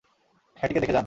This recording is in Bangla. হ্যাটিকে দেখে যান!